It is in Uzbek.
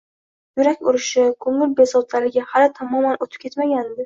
Yurak urishi, ko'ngil bezovtaligi hali tamoman o'tib ketmagandi.